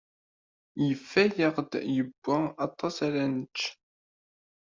Yefa-yaɣ-d Yuba aṭas ara nečč.